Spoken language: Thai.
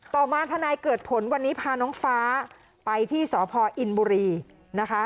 ต่อมาทนายเกิดผลวันนี้พาน้องฟ้าไปที่สพอินบุรีนะคะ